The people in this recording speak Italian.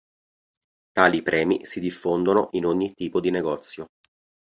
Tali premi si diffondono in ogni tipo di negozio.